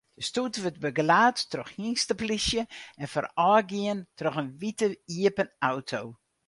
De stoet wurdt begelaat troch hynsteplysje en foarôfgien troch in wite iepen auto.